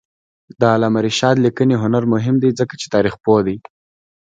د علامه رشاد لیکنی هنر مهم دی ځکه چې تاریخپوه دی.